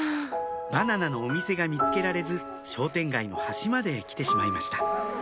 バナナのお店が見つけられず商店街の端まで来てしまいました